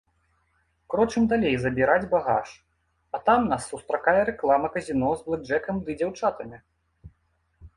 Крочым далей забіраць багаж, а там нас сустракае рэклама казіно з блэкджэкам ды дзяўчатамі.